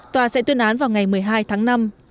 tòa sẽ tuyên án vào ngày một mươi hai tháng năm